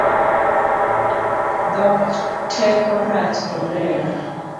Dhok teko rach omera